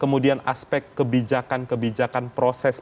kemudian aspek kebijakan kebijakan proses